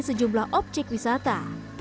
sejumlah objek wisata